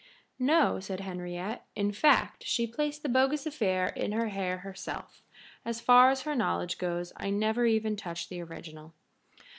"No," said Henriette. "In fact, she placed the bogus affair in her hair herself. As far as her knowledge goes, I never even touched the original."